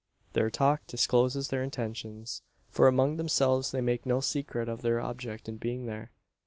Their talk discloses their intentions: for among themselves they make no secret of their object in being there.